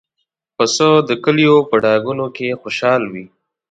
پسه د کلیو په ډاګونو کې خوشحال وي.